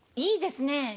いいですね。